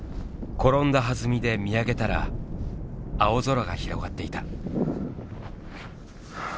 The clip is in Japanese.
転んだはずみで見上げたら青空が広がっていた。